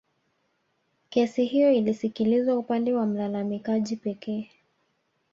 Kesi hiyo ilisikilizwa upande wa mlalamikaji pekee